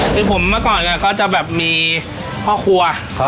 คือผมเมื่อก่อนเนี้ยเขาจะแบบมีห้อครัวครับ